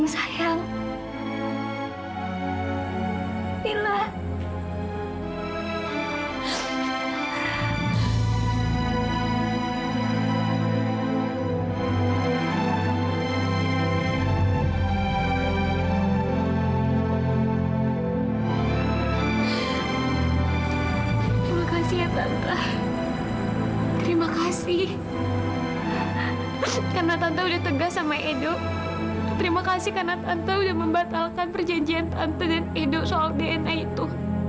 terima kasih karena tante udah membatalkan perjanjian tante dan edo soal dna itu